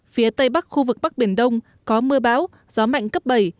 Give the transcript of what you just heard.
phía tây bắc khu vực bắc biển đông có mưa bão gió mạnh cấp bảy